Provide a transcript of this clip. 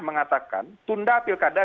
mengatakan tunda pilkada